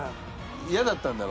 イヤだったんだろ？